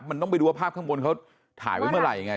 มันต้องไปดูว่าภาพข้างบนเขาถ่ายไว้เมื่อไหร่ยังไง